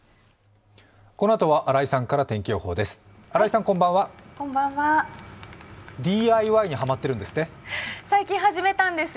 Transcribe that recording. このあとは新井さんから天気予報です。